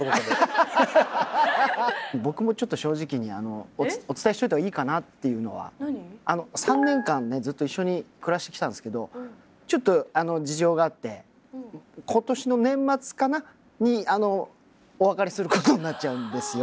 僕もちょっと正直にお伝えしといた方がいいかなっていうのはあの３年間ねずっと一緒に暮らしてきたんですけどちょっと事情があって今年の年末かなお別れすることになっちゃうんですよ。